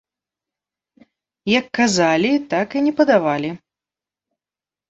Як казалі, так і не падавалі.